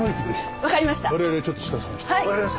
わかりました。